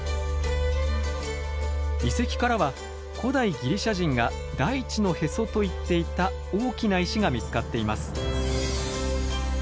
遺跡からは古代ギリシャ人が「大地のへそ」と言っていた大きな石が見つかっています。